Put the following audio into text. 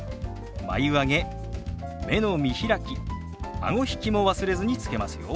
眉上げ目の見開きあご引きも忘れずにつけますよ。